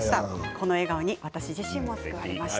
この笑顔に私自身も救われました。